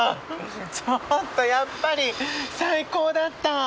ちょっとやっぱり最高だった。